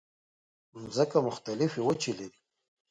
مځکه مختلفې وچې لري.